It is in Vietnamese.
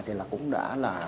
thì cũng đã là